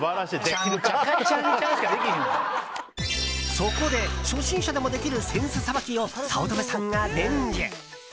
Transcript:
そこで、初心者でもできる扇子さばきを早乙女さんが伝授。